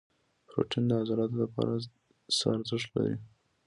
پروټین د عضلاتو لپاره څه ارزښت لري؟